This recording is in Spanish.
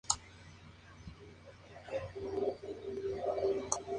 Más tarde, formalizó sus estudios en la Escuela Nacional de Música.